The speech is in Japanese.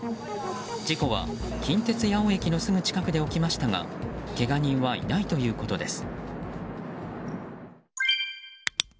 事故は、近鉄八尾駅のすぐ近くで起きましたがけが人はいないということです。